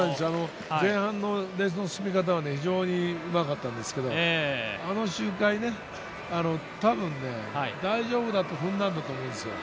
前半のレースの進め方はうまかったんですけど、あの周回たぶん大丈夫だと踏んだんだと思うんです。